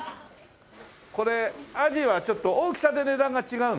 これアジは大きさで値段が違うの？